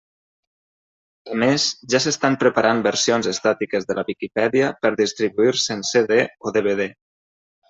A més, ja s'estan preparant versions estàtiques de la Viquipèdia per distribuir-se en CD o DVD.